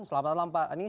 selamat malam pak anies